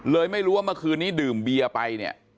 ไม่รู้ว่าเมื่อคืนนี้ดื่มเบียร์ไปเนี่ย